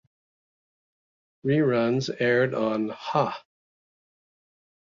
Reruns aired on Ha!